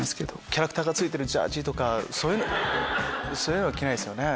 キャラクターがついてるジャージそういうのは着ないですよね？